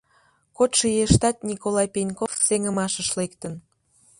Кодшо ийыштат Николай Пеньков сеҥымашыш лектын.